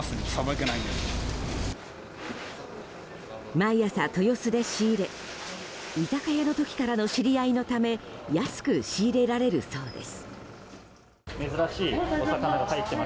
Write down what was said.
毎朝、豊洲で仕入れ居酒屋の時からの知り合いのため安く仕入れられるそうです。